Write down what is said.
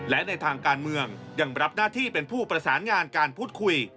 และในทางการเมืองยังรับหน้าที่เป็นผู้ประสานงานการพูดคุย